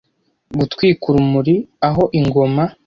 gutwika urumuri aho ingoma